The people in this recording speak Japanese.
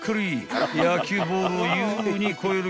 ［野球ボールを優に超える］